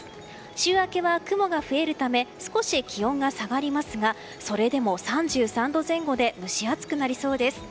週明けは雲が増えるため少し気温が下がりますがそれでも３３度前後で蒸し暑くなりそうです。